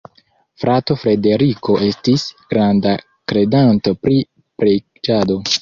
Frato Frederiko estis granda kredanto pri preĝado.